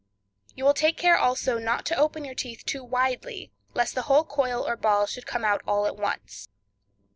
You will take care also not to open your teeth too widely, lest the whole coil or ball should come out all at once.